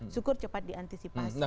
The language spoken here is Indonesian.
syukur cepat diantisipasi